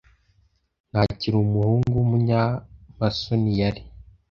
Ntakiri umuhungu wumunyamasoni yari.